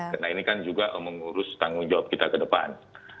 karena ini kan juga mengurus tanggung jawab kita ke depan